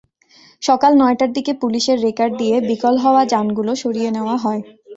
সকাল নয়টার দিকে পুলিশের রেকার দিয়ে বিকল হওয়া যানগুলো সরিয়ে নেওয়া হয়।